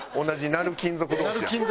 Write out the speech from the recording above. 鳴る金属同士や。